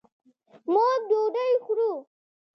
موږ ډوډۍ خورو